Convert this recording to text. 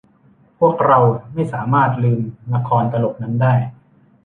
พวกเราไม่สามารถลืมละครตลกนั้นได้